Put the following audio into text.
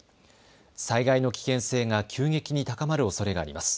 災害の危険性が急激に高まるおそれがあります。